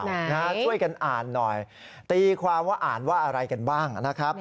ช่วยกันอ่านหน่อยตีความว่าอ่านว่าอะไรกันบ้างนะครับ